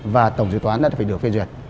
và tổng dự toán đã phải được phiên duyệt